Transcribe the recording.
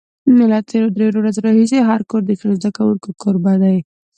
له تېرو درېیو ورځو راهیسې هر کور د شلو زده کوونکو کوربه دی.